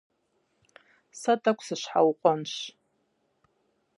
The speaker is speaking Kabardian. Сэ тӀэкӀу сыщхьэукъуэнщ.